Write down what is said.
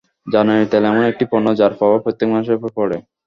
জ্বালানি তেল এমন একটি পণ্য, যার প্রভাব প্রত্যেক মানুষের ওপর পড়ে।